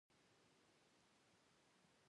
د شخړې مديريت د شخړې په ګوته کولو ته وايي.